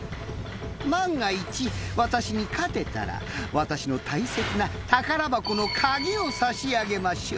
万が一私に勝てたら私の大切な宝箱の鍵を差し上げましょう。